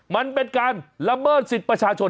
มันเป็นการละเมิดสิทธิ์ประชาชน